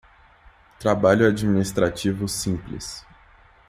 Trabalho administrativo simples